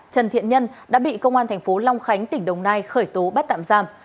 trần thiện nhân đã bị công an thành phố long khánh tỉnh đồng nai khởi tố bắt tạm giam